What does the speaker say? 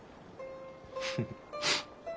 フフッ。